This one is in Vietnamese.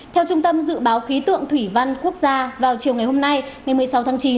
theo trung tâm dự báo khí tượng thủy văn quốc gia vào chiều ngày hôm nay ngày một mươi sáu tháng chín